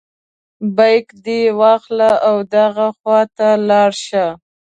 بیک دې واخله او دغه خواته لاړ شه.